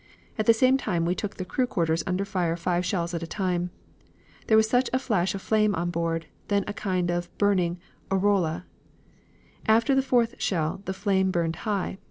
At the same time we took the crew quarters under fire five shells at a time. There was a flash of flame on board, then a kind of burning aureole. After the fourth shell the flame burned high.